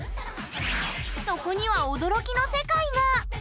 そこには驚きの世界が！